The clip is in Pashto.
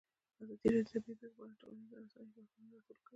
ازادي راډیو د طبیعي پېښې په اړه د ټولنیزو رسنیو غبرګونونه راټول کړي.